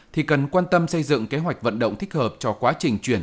thì cần quan tâm xây dựng kế hoạch vận động thích hợp cho quá trình chuyển